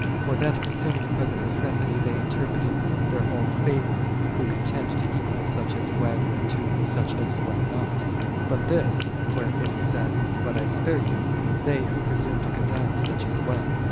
For that concerning the present necessity they interpret in their own favor, who contend to equal such as wed to such as wed not: but this, where it is said, "But I spare you," they who presume to condemn such as wed.